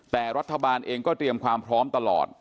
แต่รัฐบาลเองก็เตรียมความพร้อมตลอด